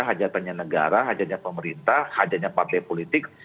hajatannya negara hajatnya pemerintah hajatnya partai politik